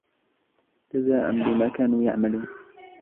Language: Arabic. جَزَاء بِمَا كَانُوا يَعْمَلُونَ